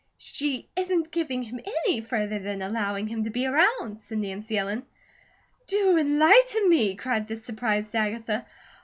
"She isn't giving him any, further than allowing him to be around," said Nancy Ellen. "Do enlighten me!" cried the surprised Agatha.